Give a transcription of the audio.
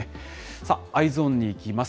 さあ、Ｅｙｅｓｏｎにいきます。